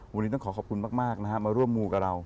วันนี้ต้องขอขอบคุณมากนะฮะมาร่วมมูกับเรา